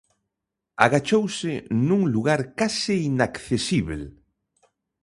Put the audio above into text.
Agachouse nun lugar case inaccesíbel.